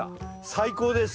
最高です。